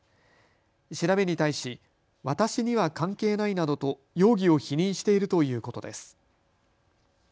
調べに対し私には関係ないなどと容疑を否認しているということです。